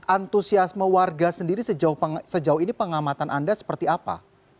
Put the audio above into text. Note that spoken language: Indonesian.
antusiasme warga sendiri sejauh ini pengamatan anda seperti apa